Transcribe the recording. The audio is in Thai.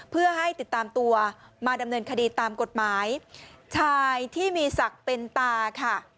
เพื่อให้ติดตามตัวมาดำเนินคดีตามกฎหมายชายที่มีศักดิ์เป็นตาค่ะ